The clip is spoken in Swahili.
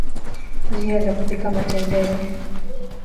njia za kupika matembele